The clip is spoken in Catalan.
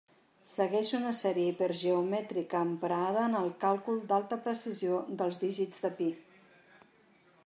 Segueix una sèrie hipergeomètrica emprada en el càlcul d'alta precisió dels dígits de pi.